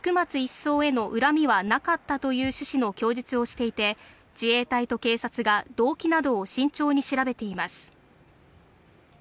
曹への恨みはなかったという趣旨の供述をしていて、自衛隊と警察が動機などを慎重に調べています。